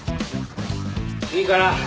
いいから。